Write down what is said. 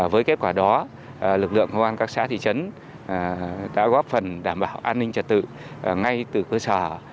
với kết quả đó lực lượng công an các xã thị trấn đã góp phần đảm bảo an ninh trật tự ngay từ cơ sở